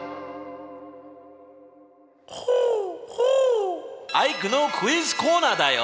ホホアイクのクイズコーナーだよ。